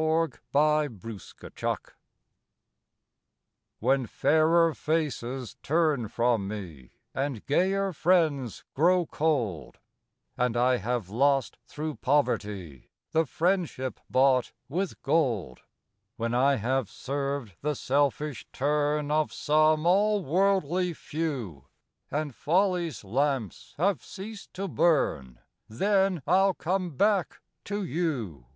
THE WAY OF THE WORLD When fairer faces turn from me, And gayer friends grow cold, And I have lost through poverty The friendship bought, with gold; When I have served the selfish turn Of some all worldly few, And Folly's lamps have ceased to burn, Then I'll come back to you.